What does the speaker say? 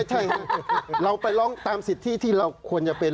ใช่ค่ะเราไปร้องตามสิทธิที่เราควรจะเป็น